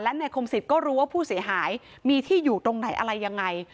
นายคมศิษย์ก็รู้ว่าผู้เสียหายมีที่อยู่ตรงไหนอะไรยังไง